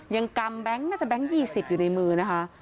กำแบงค์น่าจะแบงค์๒๐อยู่ในมือนะคะ